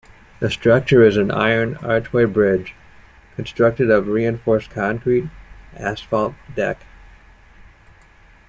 The structure is an iron, archway bridge, constructed of reinforced concrete, asphalt deck.